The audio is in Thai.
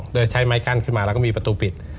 โดยใช้ไม้กั้นขึ้นมาแล้วก็มีประตูปิด